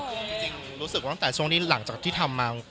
จริงรู้สึกว่าตั้งแต่ช่วงที่หลังจากที่ทำมา